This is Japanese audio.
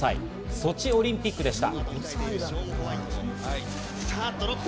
ソチオリンピックでした。